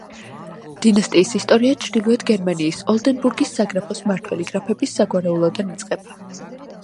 დინასტიის ისტორია ჩრდილოეთ გერმანიის ოლდენბურგის საგრაფოს მმართველი გრაფების საგვარეულოდან იწყება.